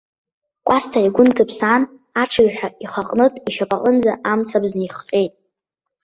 Кәасҭа игәы нҭыԥсаан, аҽыҩҳәа ихаҟнытә ишьапаҟынӡа амцабз неихҟьеит.